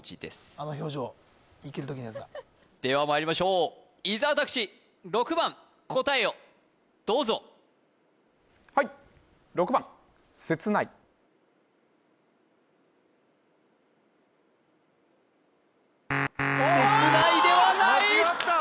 あの表情いける時のやつだではまいりましょう伊沢拓司６番答えをどうぞはいせつないではない間違った！